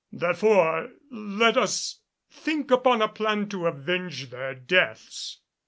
Therefore let us think upon a plan to avenge their deaths."